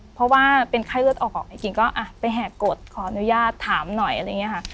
เพราะว่าเป็นไข้เลือดออกเนี่ยกิ่งก็ไปแหกกดขออนุญาตถามหน่อยอะไรอย่างนี้ค่ะ